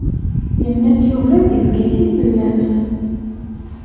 Yenna-d Yuba deg Bgayet i tellamt.